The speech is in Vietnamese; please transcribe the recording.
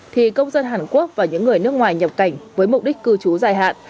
thì công dân hàn quốc và những người nước ngoài nhập cảnh với mục đích cư trú dài hạn